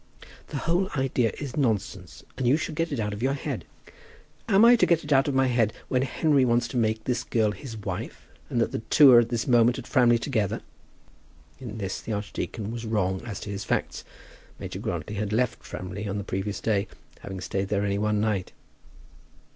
"The whole idea is nonsense, and you should get it out of your head." "Am I to get it out of my head that Henry wants to make this girl his wife, and that the two are at this moment at Framley together?" In this the archdeacon was wrong as to his facts. Major Grantly had left Framley on the previous day, having stayed there only one night.